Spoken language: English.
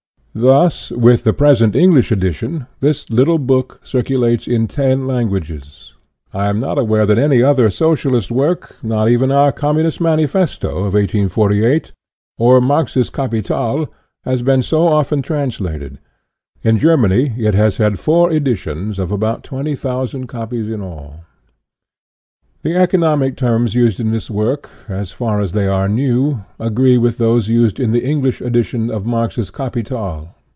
Thus, with the present English edition, this little book circulates in ten 12 INTRODUCTION languages. I am not aware that any other Social ist work, not even our " Communist Manifesto " of 1848 or Marx's " Capital," has been so often translated. In Germany it has had four editions of about 20,000 copies in all. The economic terms used in this work, as far as they are new, agree with those used in the English edition of Marx's " Capital."